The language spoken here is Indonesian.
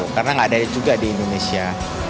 karena enggak ada juga di indonesia